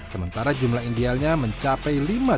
sementara jumlah idealnya mencapai lima ratus miliar rupiah